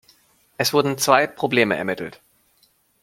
Es wurden zwei Probleme ermittelt.